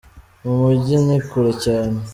Mu munjyi nikure cyane.